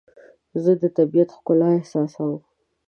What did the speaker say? زه د طبیعت ښکلا احساسوم.